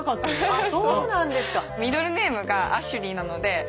あっそうなんですか。